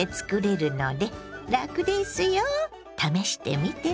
試してみてね。